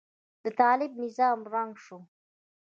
د طالب نظام ړنګ شو.